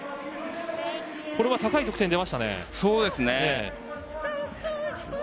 これは高い得点が出ましたね。